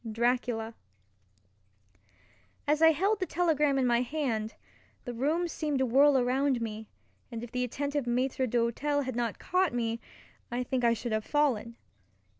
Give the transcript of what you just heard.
—Dracula. As I held the telegram in my hand, the room seemed to whirl around me, and if the attentive maitre d'hotel had not caught me, I think I should have fallen.